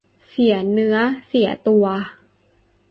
เสียเนื้อเสียตัว